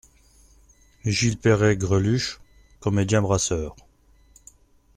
Gil-Pérès GRELUCHE, comédien Brasseur.